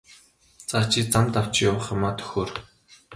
За чи замд авч явах юмаа төхөөр!